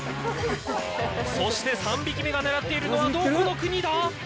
そして３匹目が狙っているのはどこの国だ。